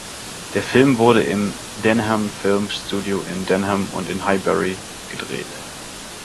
Der Film wurde im Denham Film Studio in Denham und in Highbury gedreht.